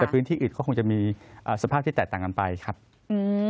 แต่พื้นที่อื่นก็คงจะมีอ่าสภาพที่แตกต่างกันไปครับอืม